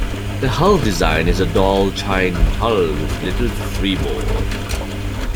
The hull design is a dual chine hull, with little freeboard.